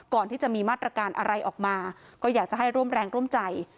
ก่อนที่จะมีมาตรการอะไรออกมาก็อยากจะให้ร่วมแรงร่วมใจ